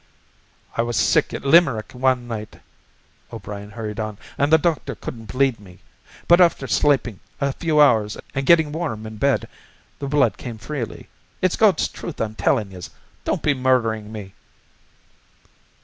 "I was sick at Limerick wan night," O'Brien hurried on, "an' the dochtor cudn't bleed me. But after slapin' a few hours an' gettin' warm in bed the blood came freely. It's God's truth I'm tellin' yez. Don't be murderin' me!"